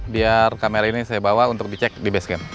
biar kamera ini saya bawa untuk dicek di base camp